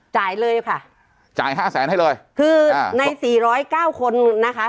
จ่ายเลยค่ะจ่าย๕แสนให้เลยคือใน๔๐๙คนนะคะ